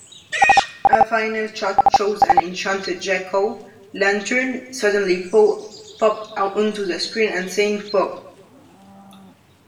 A final shot shows an enchanted Jack-o'-lantern suddenly pop onto the screen saying Boo!